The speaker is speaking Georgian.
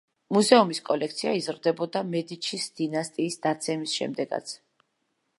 მუზეუმის კოლექცია იზრდებოდა მედიჩის დინასტიის დაცემის შემდეგაც.